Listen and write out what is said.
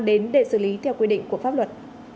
đến để xử lý theo quy định của pháp luật